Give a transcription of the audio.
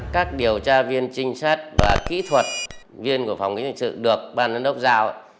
các điều tra viên trinh sát và kỹ thuật viên của phòng kinh doanh sự được ban đơn đốc giao